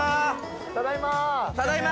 ただいま。